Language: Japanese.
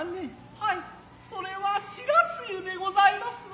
はいそれは白露でございますわ。